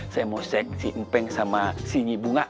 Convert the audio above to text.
saya mau cek si mpeng sama si nyibunga